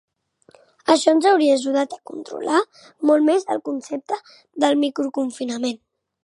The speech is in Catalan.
Això ens hauria ajudat a controlar molt més el concepte de microconfinament.